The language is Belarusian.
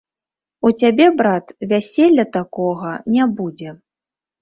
У цябе, брат, вяселля такога не будзе.